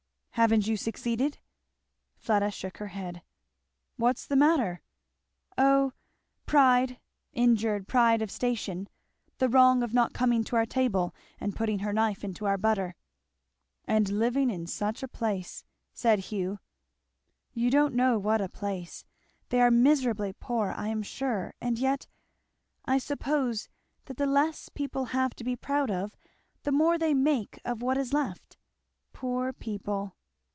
"Haven't you succeeded?" Fleda shook her head. "What's the matter?" "O pride, injured pride of station! The wrong of not coming to our table and putting her knife into our butter." "And living in such a place!" said Hugh. "You don't know what a place. They are miserably poor, I am sure; and yet I suppose that the less people have to be proud of the more they make of what is left. Poor people!